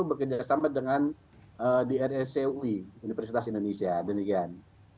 bekerjasama dengan drecui universitas indonesia dan lain lain